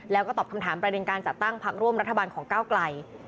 แล้วก็ตอบคำถามประเด็นการจัดตั้งพักร่วมรัฐบาลของก้าวไกล